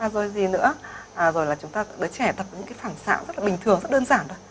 rồi gì nữa rồi là chúng ta đứa trẻ tập những cái phản xạo rất là bình thường rất đơn giản thôi